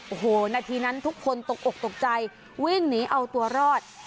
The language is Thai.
โอ้โหนาทีนั้นทุกคนตกอกตกใจวิ่งหนีเอาตัวรอด